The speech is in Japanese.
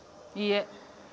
いいえ。